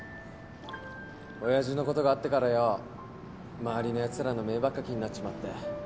親父のことがあってからよ周りのやつらの目ばっか気になっちまって。